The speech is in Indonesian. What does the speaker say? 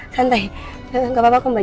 santai enggak apa apa